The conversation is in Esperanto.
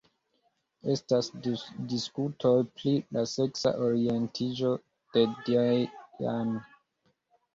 Estas diskutoj pri la seksa orientiĝo de Dean.